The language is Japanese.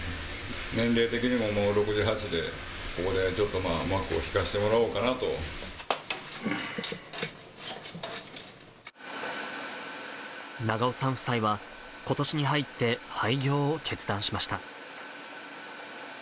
年齢的にももう６８で、ここでちょっと幕を引かせてもらおうかな長尾さん夫妻は、ことしに入って廃業を決断しました。